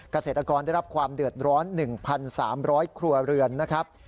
เกษตรกรได้รับความเดือดร้อน๑๓๐๐ครัวเรือนนะครับ